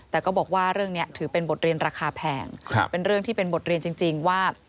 แต่ก็บอกว่าเรื่องนี้ถือเป็นบทเรียนราคาแพงเป็นเรื่องที่เป็นบทเรียนจริงว่า